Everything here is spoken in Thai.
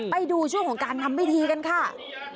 ไปดูช่วงของการทำพิธีกันค่ะ